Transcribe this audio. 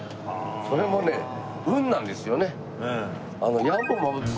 それもね運なんですよね。